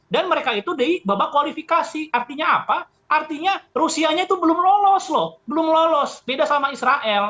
dan mereka itu di babak kualifikasi artinya apa artinya rusianya itu belum lolos loh belum lolos beda sama israel